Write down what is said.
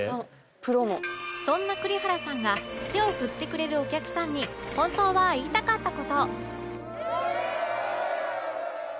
そんな栗原さんが手を振ってくれるお客さんに本当は言いたかった事